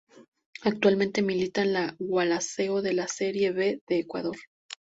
Actualmente milita en Gualaceo de la Serie B de Ecuador.